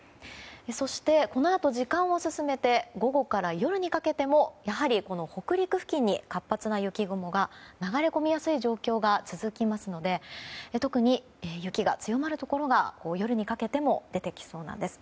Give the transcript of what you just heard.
そして、このあと時間を進めて午後から夜にかけても北陸付近に活発な雪雲が流れ込みやすい状況が続きますので特に雪が強まるところが夜にかけても出てきそうです。